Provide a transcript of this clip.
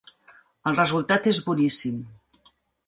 El resultat és boníssim.